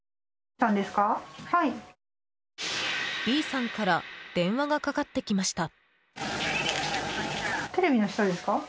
Ｂさんから電話がかかってきました。